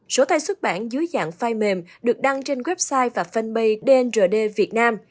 sổ tay xuất bản dưới dạng file mềm được đăng trên website và fanpage dngd việt nam